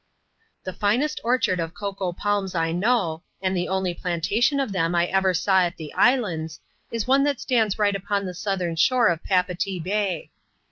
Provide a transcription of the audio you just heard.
The finest orchard of cocoa palms I know, and the only plantation of them I ever saw at the islands, is one that stands right upon the southern shore of Papeetee Bay.